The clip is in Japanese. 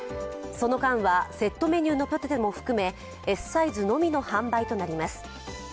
その間は、セットメニューのポテトも含めＳサイズのみの販売となります。